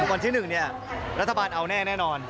วันที่๑รัฐบาลเอาแน่แน่นอน